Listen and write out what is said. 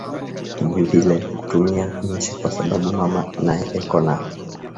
vivile kutumiya inchi kwa sababu mama naye eko na